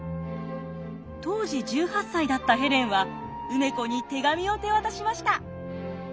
当時１８歳だったヘレンは梅子に手紙を手渡しました。